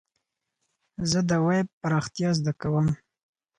زه د ويب پراختيا زده کوم.